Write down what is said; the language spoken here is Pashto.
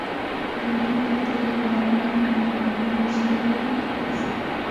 پرون دلته د باران وړاندوینه شوې وه.